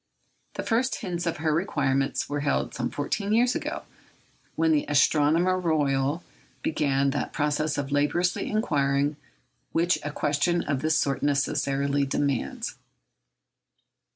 The first hints of her requirements were heard some fourteen years ago, when the Astronomer Royal began that process of laborious inquiry which a question of this sort necessarily demands.